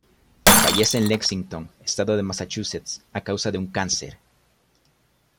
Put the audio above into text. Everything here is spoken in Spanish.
Fallece en Lexington, estado de Massachusetts, a causa de un cáncer.